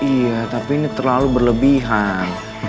iya tapi ini terlalu berlebihan